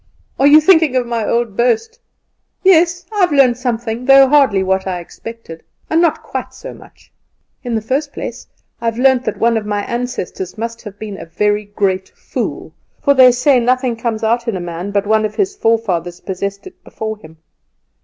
"Are you thinking of my old boast? Yes; I have learnt something, though hardly what I expected, and not quite so much. In the first place, I have learnt that one of my ancestors must have been a very great fool; for they say nothing comes out in a man but one of his forefathers possessed it before him.